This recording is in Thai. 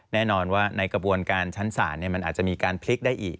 แน่นอนว่าในกระบวนการชั้นศาลมันอาจจะมีการพลิกได้อีก